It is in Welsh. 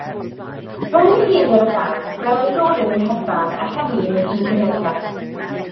Rhwng Mehefin ac Awst mae'r oedolyn yn hedfan, a hynny mewn un genhedlaeth.